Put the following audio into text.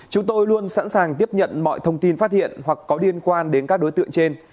chúng tôi luôn sẵn sàng tiếp nhận mọi thông tin phát hiện hoặc có liên quan đến các đối tượng trên